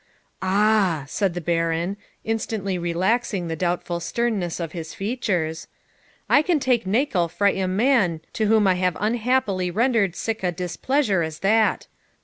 'Ah!' said the Baron, instantly relaxing the doubtful sternness of his features, 'I can take mickle frae a man to whom I have unhappily rendered sic a displeasure as that.